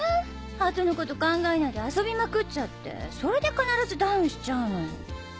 あとの事考えないで遊びまくっちゃってそれで必ずダウンしちゃうのよ。